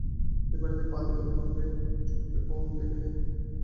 এ বাড়িতে পা দিবার পূর্বে অপু চক্ষেও কখনও দেখে নাই।